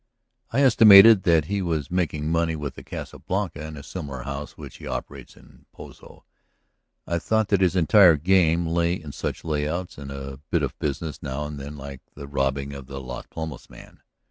"I estimated that he was making money with the Casa Blanca and a similar house which he operates in Pozo; I thought that his entire game lay in such layouts and a bit of business now and then like the robbing of the Las Palmas man.